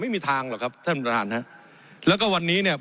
ไม่มีทางหรอกครับท่านประธานฮะแล้วก็วันนี้เนี่ย